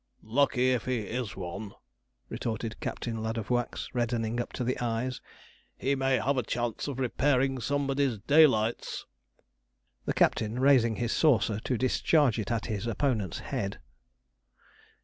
'Lucky if he is one,' retorted Captain Ladofwax, reddening up to the eyes; 'he may have a chance of repairing somebody's daylights.' The captain raising his saucer, to discharge it at his opponent's head.